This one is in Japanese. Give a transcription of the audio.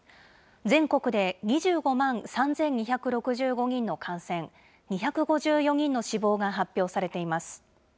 全国で２５万３２６５人の感染、２５４人の死亡が発表されています。